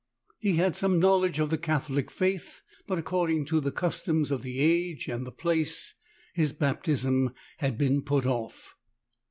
He had some knowledge of the Catholic Faith, but according to the cus tom of the age and the place his baptism had been put off.